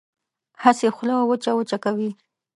هسې خوله وچه وچه کوي.